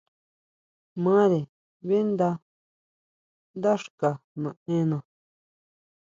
Mare ʼbeʼnda dá xka naʼena.